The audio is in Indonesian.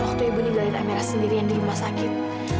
waktu ibu ninggalin amirah sendiri yang dirima sakit